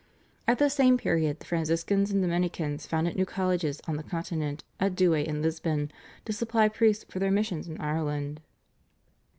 At the same period the Franciscans and Dominicans founded new colleges on the Continent, at Douay and Lisbon, to supply priests for their missions in Ireland.